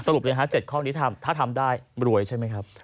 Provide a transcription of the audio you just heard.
ปเลยฮะ๗ข้อนี้ถ้าทำได้รวยใช่ไหมครับ